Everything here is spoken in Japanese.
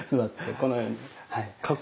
このようにはい。